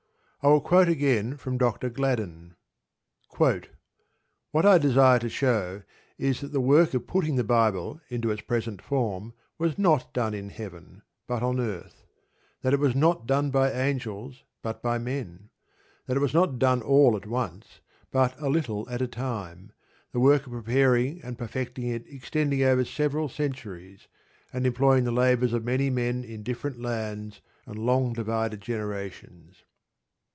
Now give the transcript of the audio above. I will quote again from Dr. Gladden: What I desire to show is, that the work of putting the Bible into its present form was not done in heaven, but on earth; that it was not done by angels, but by men; that it was not done all at once, but a little at a time, the work of preparing and perfecting it extending over several centuries, and employing the labours of many men in different lands and long divided generations.